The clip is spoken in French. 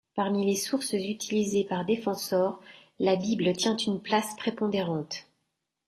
Parmi les sources utilisées par Defensor, la Bible tient une place prépondérante.